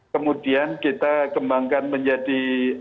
kemudian kita kembangkan menjadi